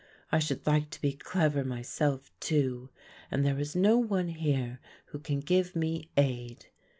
I should like to be clever myself, too, and there is no one here who can give me aid.